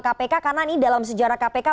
kpk karena ini dalam sejarah kpk